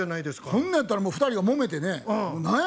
そんなやったらもう２人がもめてね「何や！」